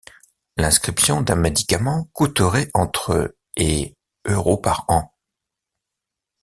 L'inscription d'un médicament coûterait entre et euros par an.